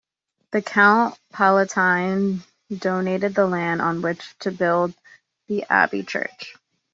The count Palatine donated the land on which to build the abbey church.